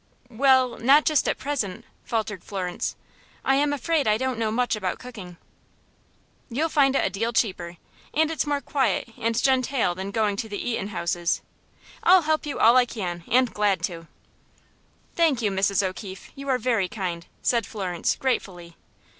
"Well, not just at present," faltered Florence. "I am afraid I don't know much about cooking." "You'll find it a deal cheaper, and it's more quiet and gentale than goin' to the eatin' houses. I'll help you all I can, and glad to." "Thank you, Mrs. O'Keefe, you are very kind," said Florence, gratefully.